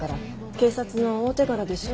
警察の大手柄でしょ？